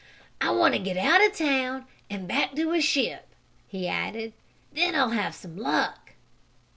"I want to get out of town and back to a ship," he added. "Then I'll have some luck!"